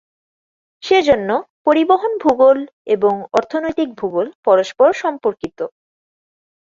সেজন্য পরিবহন ভূগোল এবং অর্থনৈতিক ভূগোল পরস্পর সম্পর্কিত।